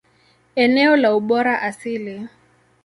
Eneo la ubora asili.